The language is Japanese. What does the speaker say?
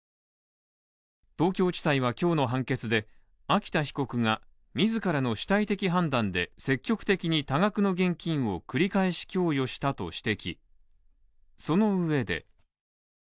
東京地裁は今日の判決で、秋田被告が自らの主体的判断で積極的に多額の現金を繰り返し共有したと指摘。